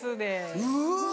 うわ！